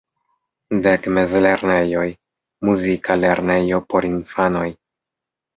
Dek mezlernejoj, muzika lernejo por infanoj.